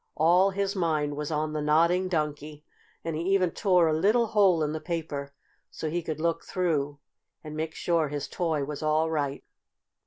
All his mind was on the Nodding Donkey, and he even tore a little hole in the paper so he could look through and make sure his toy was all right.